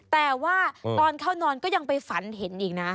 แต่ว่าตอนเข้านอนก็ยังไปฝันเห็นอีกนะ